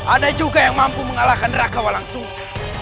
ada juga yang mampu mengalahkan raka walang sungsar